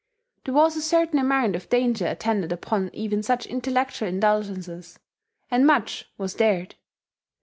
There was a certain amount of danger attendant upon even such intellectual indulgences; and much was dared.